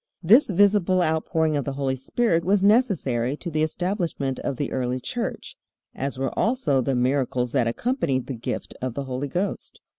This visible outpouring of the Holy Spirit was necessary to the establishment of the early Church, as were also the miracles that accompanied the gift of the Holy Ghost.